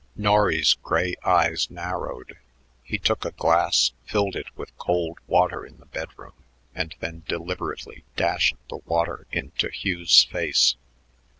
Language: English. Norry's gray eyes narrowed. He took a glass, filled it with cold water in the bedroom, and then deliberately dashed the water into Hugh's face.